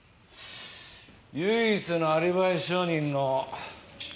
唯一のアリバイ証人の。